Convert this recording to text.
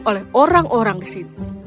oleh orang orang di sini